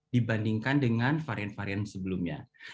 dibandingkan dengan varian varian sebelumnya